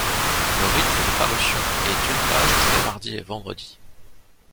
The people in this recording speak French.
Le rythme de parution est d'une page tous les mardis et vendredis.